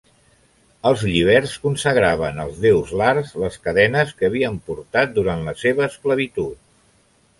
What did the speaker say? Els lliberts consagraven als déus lars les cadenes que havien portat durant la seva esclavitud.